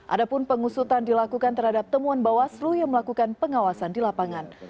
adapun pengusutan dilakukan terhadap temuan bawaslu yang melakukan pengawasan di lapangan